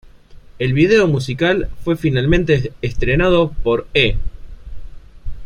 El vídeo musical fue finalmente estrenado por E!